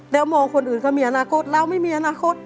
แล้วมองคนอื่นเขามีอนาคตเราไม่มีอนาคต